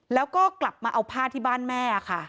แล้วก็กลับมาเอาผ้าที่บ้านแม่ค่ะ